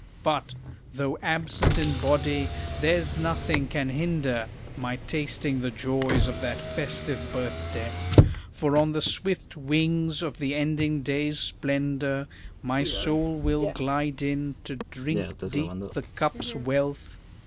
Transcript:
But, though absent in body, there's nothing can hinder My tasting the joys of that festive birthday; For on the swift wings of the ending day's splendor My soul will glide in to drink deep the cup's wealth.